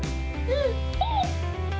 うん。